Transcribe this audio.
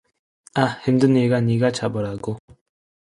아, 힘드니까 니가 잡으라고!